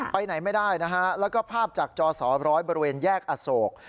ไปไหนไม่ได้นะฮะแล้วก็ภาพจากจอสอร้อยบริเวณแยกอโศก